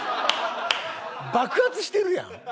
爆発してるやん！